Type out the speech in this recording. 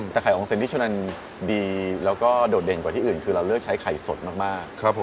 แต่ไข่อองเซ็นที่ชนันดีแล้วก็โดดเด่นกว่าที่อื่นคือเราเลือกใช้ไข่สดมาก